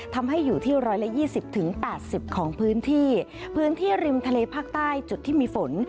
ทำให้อยู่ที่๑๒๐๘๐ของพื้นที่พื้นที่ริมทะเลภาคใต้จุดที่มีฝน